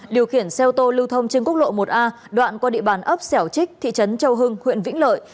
điều khiển xe ô tô lưu thông trên quốc lộ một a đoạn qua địa bàn ấp xẻo trích thị trấn châu hưng huyện vĩnh lợi